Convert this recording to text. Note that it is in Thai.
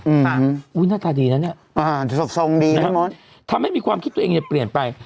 อืมอืมอุ้ยหน้าตาดีน่ะเนี้ยอ่าส่งส่งดีครับทำให้มีความคิดตัวเองจะเปลี่ยนไป